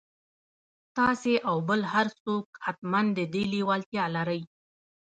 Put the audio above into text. تاسې او بل هر څوک حتماً د دې لېوالتيا لرئ.